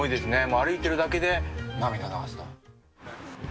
歩いてるだけで涙流すと。